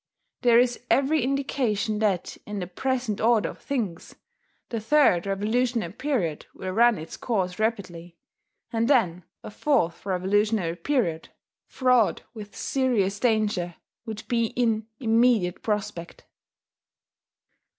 There is every indication that, in the present order of things, the third revolutionary period will run its course rapidly; and then a fourth revolutionary period, fraught with serious danger, would be in immediate prospect.